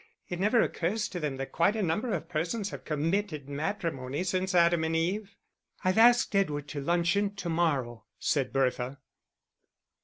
It never occurs to them that quite a number of persons have committed matrimony since Adam and Eve." "I've asked Edward to luncheon to morrow," said Bertha.